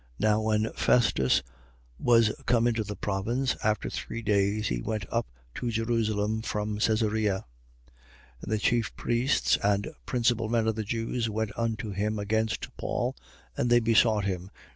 25:1. Now when Festus was come into the province, after three days, he went up to Jerusalem from Cesarea. 25:2. And the chief priests and principal men of the Jews went unto him against Paul: and they besought him, 25:3.